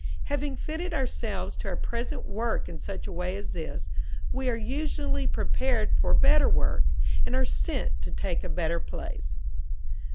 Having fitted ourselves to our present work in such a way as this, we are usually prepared for better work, and are sent to take a better place.